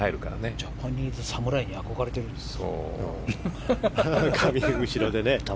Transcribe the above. ジャパニーズ侍に憧れてるのかな。